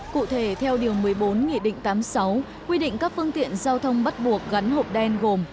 cụ thể theo điều một mươi bốn nghị định tám mươi sáu quy định các phương tiện giao thông bắt buộc gắn hộp đen gồm